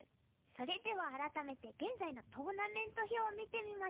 それでは改めて現在のトーナメント表を見てみましょう。